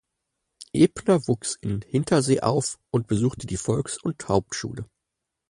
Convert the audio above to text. Ebner wuchs in Hintersee auf und besuchte die Volks- und Hauptschule.